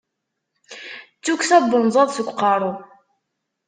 D tukksa n unẓaḍ seg uqeṛṛu.